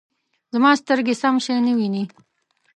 زما سترګې سم شی نه وینې